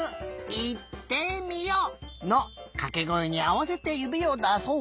いってみよっ！」のかけごえにあわせてゆびをだそう。